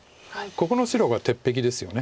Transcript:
ここの白が鉄壁ですよね。